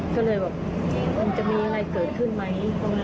ก็เลยแบบมันจะมีอะไรเกิดขึ้นไหม